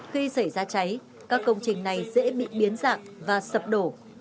khi xảy ra cháy các công trình này dễ bị biến dạng và sập đổ